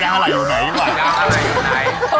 ถามว่ายางอะไรอยู่ไหนก่อน